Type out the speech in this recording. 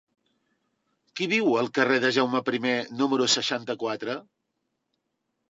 Qui viu al carrer de Jaume I número seixanta-quatre?